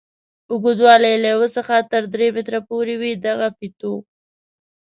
اوږدوالی یې له یوه څخه تر درې متره پورې وي دغه فیتو.